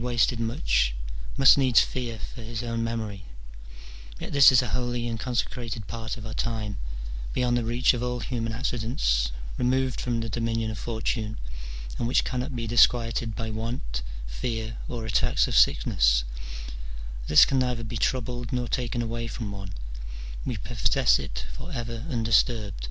303 wasted much, must needs fear his own memory ; yet this is a holy and consecrated part of our time, beyond the reach of all human accidents, removed from the dominion of Fortune, and which cannot be disquieted by want, fear, or attacks of sickness : this can neither be troubled nor taken away from one : we possess it for ever undisturbed.